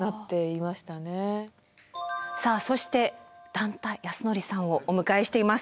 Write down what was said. さあそして段田安則さんをお迎えしています。